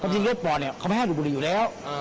จริงเลือดปอดเนี่ยเขาไม่ให้ดูดบุหรี่อยู่แล้ว